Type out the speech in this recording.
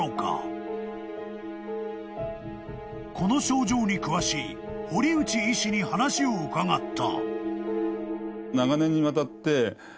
［この症状に詳しい堀内医師に話を伺った］